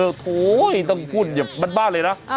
โอ้โหต้องพูดอย่าบันบ้าเลยนะ